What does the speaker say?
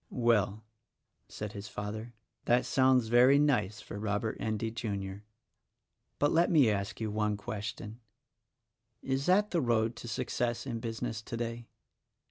"Well," said his father, "that sounds very nice for Rob ert Endy, Jr.; but let me ask you one question: Is that the road to success in business today?"